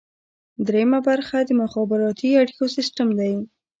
دریمه برخه د مخابراتي اړیکو سیستم دی.